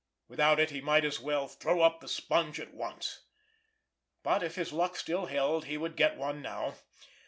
Without it he might as well throw up the sponge at once, but if his luck still held he would get one now.